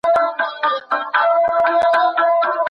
خپل ځان له غمونو څخه وساتئ.